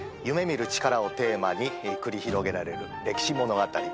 夢見る力をテーマに繰り広げられる歴史物語。